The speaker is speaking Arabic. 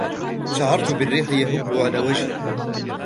شعرت بالريح يهبّ على وجهي.